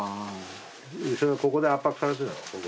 それをここで圧迫されてるここ。